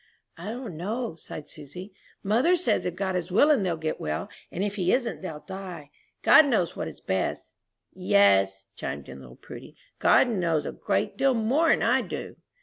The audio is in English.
"I don't know," sighed Susy; "mother says if God is willing they'll get well, and if he isn't they'll die. God knows what is best." "Yes," chimed in little Prudy, "God knows a great deal more'n I do!"